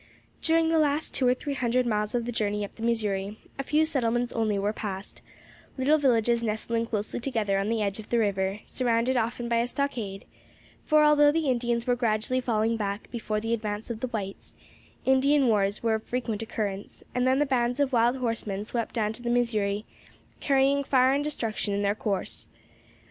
During the last two or three hundred miles of the journey up the Missouri a few settlements only were passed, little villages nestling closely together on the edge of the river, surrounded often by a stockade; for although the Indians were gradually falling back before the advance of the whites, Indian wars were of frequent occurrence, and then the bands of wild horsemen swept down to the Missouri, carrying fire and destruction in their course.